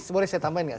boleh saya tambahin gak